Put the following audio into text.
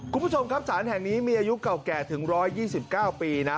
คุณผู้ชมครับสารแห่งนี้มีอายุเก่าแก่ถึง๑๒๙ปีนะ